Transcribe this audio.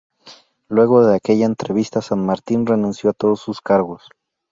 Luego de aquella entrevista, San Martín renunció a todos sus cargos.